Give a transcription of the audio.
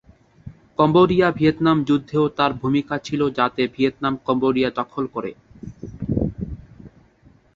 Cambodia-Vietnam যুদ্ধেও তার ভূমিকা ছিল যাতে ভিয়েতনাম কম্বোডিয়া দখল করে।